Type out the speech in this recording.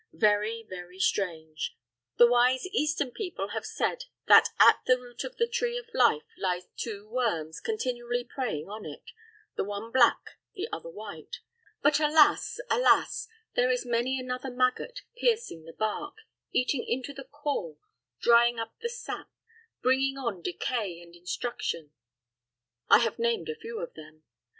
Very, very strange! The wise Eastern people have said that at the root of the Tree of Life lie two worms continually preying on it: the one black, the other white. But alas, alas! there is many another maggot, piercing the bark, eating into the core, drying up the sap, bringing on decay and instruction. I have named a few of them.